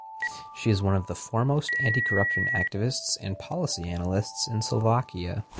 She is one of the foremost anticorruption activists and policy analysts in Slovakia.